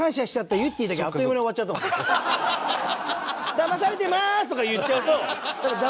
「だまされてまーす」とか言っちゃうと。